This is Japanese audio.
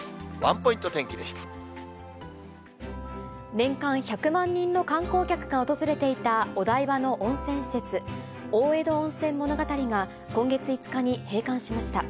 年間１００万人の観光客が訪れていたお台場の温泉施設、大江戸温泉物語が、今月５日に閉館しました。